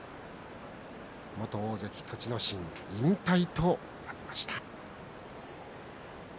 元大関栃ノ心引退となりました。